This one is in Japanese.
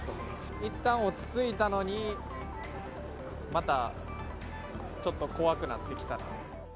いったん落ち着いたのに、またちょっと怖くなってきた。